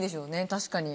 確かに。